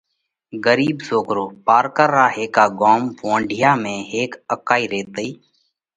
ڳرِيٻ سوڪرو: پارڪر را هيڪا ڳوم (وونڍِيا) ۾ هيڪ اڪائِي ريتئِي۔